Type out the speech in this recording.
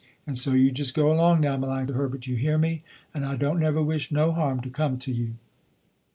And so you just go along now, Melanctha Herbert, you hear me, and I don't never wish no harm to come to you."